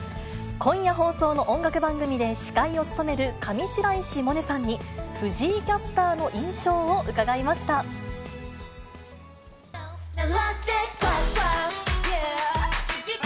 今夜放送の音楽番組で司会を務める上白石萌音さんに、藤井キャスターの印象を伺いました。